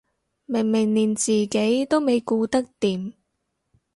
明明連自己都未顧得掂